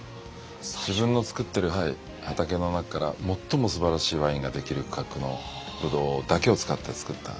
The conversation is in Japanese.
自分のつくってる畑の中から最もすばらしいワインができる規格のブドウだけを使ってつくった。